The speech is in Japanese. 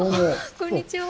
こんにちは。